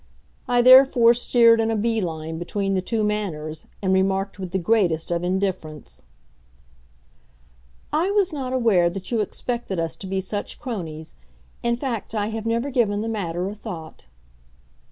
I therefore steered in a bee line between the two manners, and remarked with the greatest of indifference: "I was not aware that you expected us to be such cronies in fact, I have never given the matter a thought."